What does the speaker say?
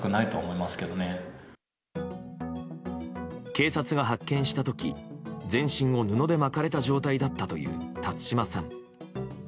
警察が発見した時全身を布で巻かれた状態だったという辰島さん。